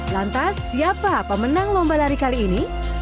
lantas siapa pemenang lomba lari kali ini